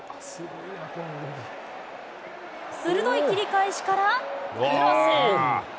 鋭い切り返しから、クロス。